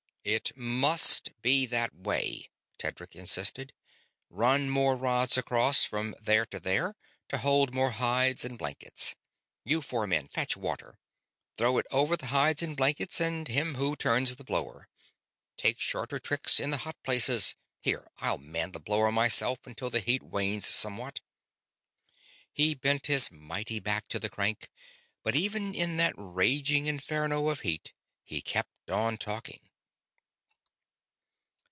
"It must be that way!" Tedric insisted. "Run more rods across, from there to there, to hold more hides and blankets. You four men fetch water. Throw it over the hides and blankets and him who turns the blower. Take shorter tricks in the hot places here, I'll man the blower myself until the heat wanes somewhat." He bent his mighty back to the crank, but even in that raging inferno of heat he kept on talking.